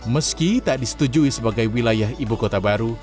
meski tak disetujui sebagai wilayah ibu kota baru